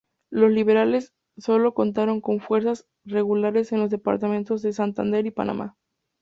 Los liberales sólo contaron con fuerzas regulares en los departamentos de Santander y Panamá.